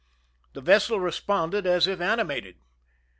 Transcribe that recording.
The vessel responded as if animated.